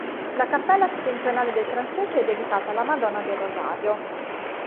La cappella settentrionale del transetto è dedicata alla Madonna del Rosario.